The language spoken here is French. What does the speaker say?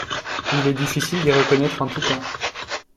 Il est difficile d'y reconnaître un Toucan.